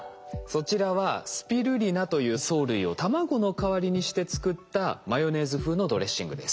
そちらはスピルリナという藻類を卵の代わりにして作ったマヨネーズ風のドレッシングです。